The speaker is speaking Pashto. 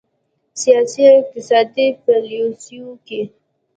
سیاسي او اقتصادي پالیسیو کې